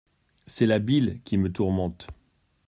C’est la bile qui me tourmente.